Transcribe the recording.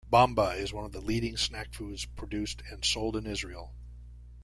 Bamba is one of the leading snack foods produced and sold in Israel.